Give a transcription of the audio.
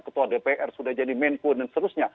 ketua dpr sudah jadi main point dan seterusnya